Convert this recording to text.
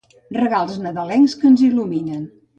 Regals nadalencs que ens il·luminen.